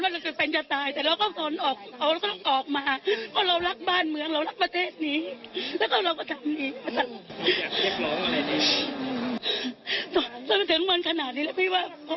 พวกเราก็ต้องทำของเราก็ต้องเข้าไป